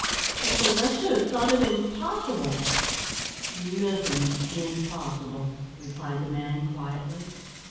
"Because I should have thought it impossible." "Nothin''s impossible," replied the man, quietly.